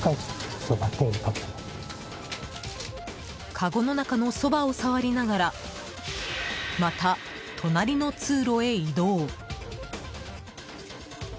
かごの中のそばを触りながらまた隣の通路へ移動。